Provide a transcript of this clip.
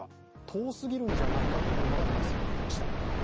遠すぎるんじゃないかというのがニュースになっていました。